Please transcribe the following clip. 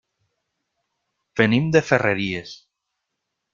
Venim de Ferreries.